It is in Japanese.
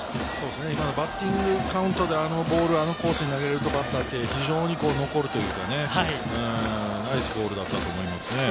バッティングカウントであのボール、あのコースに投げられるとバッターは非常に残るというかね、ナイスボールだったと思いますね。